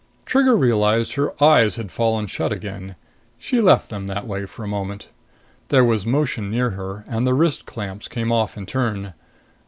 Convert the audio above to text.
Trigger realized her eyes had fallen shut again. She left them that way for a moment. There was motion near her, and the wrist clamps came off in turn.